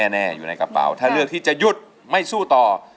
แน่อยู่ในกระเป๋าถ้าเลือกที่จะหยุดไม่สู้ต่อ